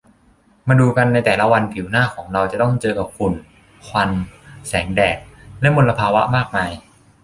มาดูกัน ในแต่ละวันผิวหน้าของเราต้องเจอกับฝุ่น ควัน แสงแดด และมลภาวะมากมาย